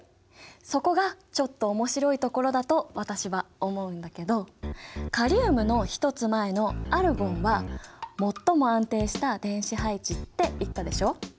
そこがちょっと面白いところだと私は思うんだけどカリウムの１つ前のアルゴンは最も安定した電子配置って言ったでしょ？